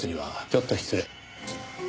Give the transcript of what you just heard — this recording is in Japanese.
ちょっと失礼。